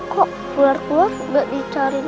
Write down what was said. kok keluar keluar gak dicarin